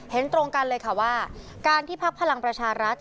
เห็นตรงกันเลยค่ะว่าการที่พักพลังประชารัฐ